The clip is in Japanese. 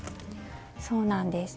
そうなんです。